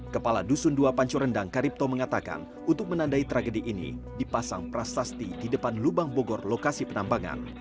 kepala dusun dua pancorendang karipto mengatakan untuk menandai tragedi ini dipasang prasasti di depan lubang bogor lokasi penambangan